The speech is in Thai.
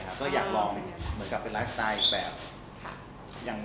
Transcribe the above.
ก็ก็อยากลองนี้นะครับเหมือนกับเป็นไลฟ์สไตล์ใหญ่แบบ